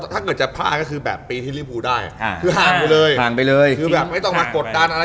ถ้าเกิดจะพล่าก็คือแบบปีที่รี่ปูได้ห่างไปเลยไม่ต้องมากดดัน